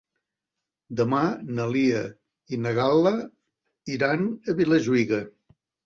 Demà na Lia i na Gal·la iran a Vilajuïga.